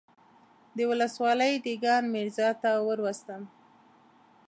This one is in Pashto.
د ولسوالۍ دېګان ميرزا ته وروستم.